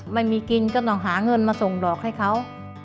ไม่มีกินก็ต้องหาเงินมาส่งดอกให้เขา